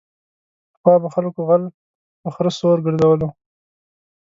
پخوا به خلکو غل په خره سور گرځولو.